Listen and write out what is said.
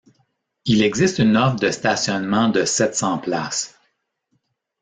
Il existe une offre de stationnement de sept cents places.